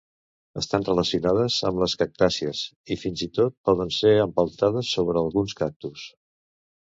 Estan relacionades amb les cactàcies i fins i tot poden ser empeltades sobre alguns cactus.